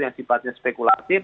yang sifatnya spekulatif